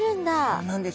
そうなんです。